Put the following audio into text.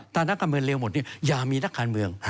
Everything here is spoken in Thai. ถ้านักการเมืองเร็วหมดอย่ามีนักการเมือง